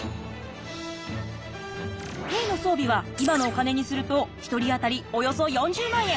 兵の装備は今のお金にすると１人当たりおよそ４０万円。